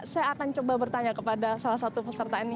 saya akan coba bertanya kepada salah satu peserta ini